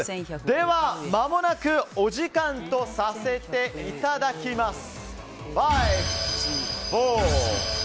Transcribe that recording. では、まもなくお時間とさせていただきます。